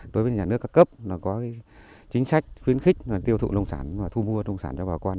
đối với nhà nước các cấp là có chính sách khuyến khích tiêu thụ nông sản và thu mua nông sản cho bà con